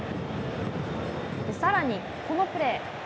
さらに、このプレー。